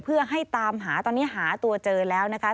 เพื่อให้ตามหาตอนนี้หาตัวเจอแล้วนะคะ